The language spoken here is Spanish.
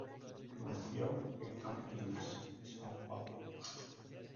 Nació en Campinas, São Paulo.